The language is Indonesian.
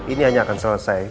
ini hanya akan selesai